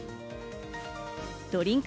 ドリンク